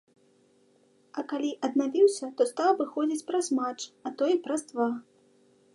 А калі аднавіўся, то стаў выходзіць праз матч, а то і праз два.